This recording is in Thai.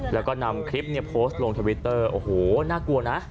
แล้วก็นำคลิปโพสต์ลงทวิตเตอร์โอ้โหน่ากลัวนะ